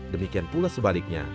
demikian pula sebaliknya